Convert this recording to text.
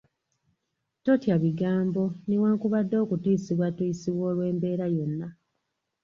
Totya bigambo newankubadde okutiisibwatisibwa olw’embeera yonna.